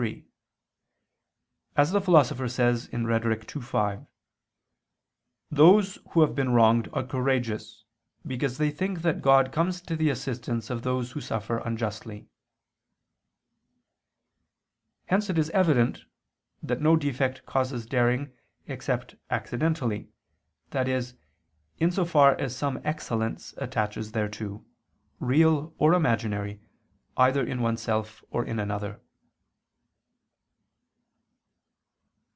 3: As the Philosopher says (Rhet. ii, 5) "those who have been wronged are courageous, because they think that God comes to the assistance of those who suffer unjustly." Hence it is evident that no defect causes daring except accidentally, i.e. in so far as some excellence attaches thereto, real or imaginary, either in oneself or in another.